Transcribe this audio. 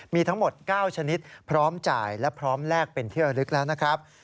มีทั้งหมด๙ชนิดพร้อมจ่ายและพร้อมแลกเป็นเที่ยวลึกแล้วนะครับ